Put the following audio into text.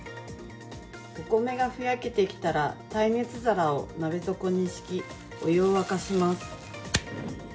お米がふやけてきたら耐熱皿を鍋底に敷きお湯を沸かします。